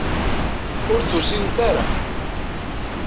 Ur d-tusimt ara.